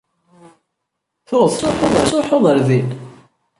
Tuɣeḍ tanumi tettruḥuḍ ɣer din?